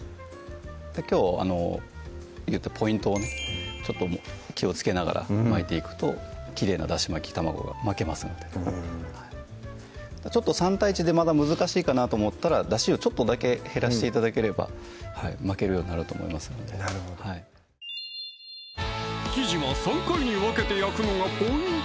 きょう言ったポイントをねちょっと気をつけながら巻いていくときれいな「だし巻き玉子」が巻けますので３対１でまだ難しいかなと思ったらだしをちょっとだけ減らして頂ければ巻けるようになると思いますのでなるほど生地は３回に分けて焼くのがポイント